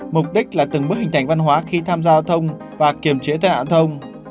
mục đích là từng bước hình thành văn hóa khi tham gia giao thông và kiểm trí tai nạn giao thông